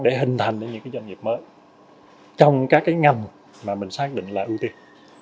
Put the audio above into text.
để hình thành những doanh nghiệp mới trong các ngầm mà mình xác định là ưu tiên